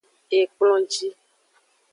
Ekplonji.